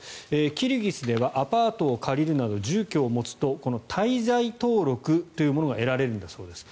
キルギスではアパートを借りるなど住居を持つと滞在登録というものが得られるんだそうです。